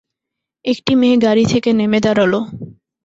একটি মেয়ে গাড়ি থেকে নেমে দাঁড়াল।